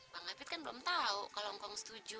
bang hafid kan belum tau kalo engkong setuju